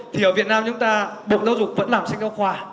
thì ở việt nam chúng ta bộ giáo dục vẫn làm sách giáo khoa